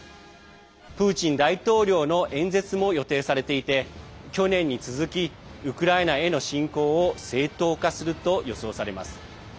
プーチン大統領の演説も予定されていて、去年に続きウクライナへの侵攻を正当化すると予想されます。